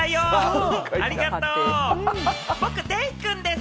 僕、デイくんです！